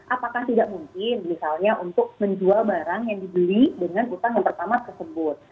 apakah tidak mungkin misalnya untuk menjual barang yang dibeli dengan utang yang pertama tersebut